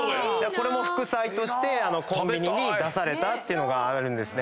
これも副菜としてコンビニに出されたっていうのがあるんですね。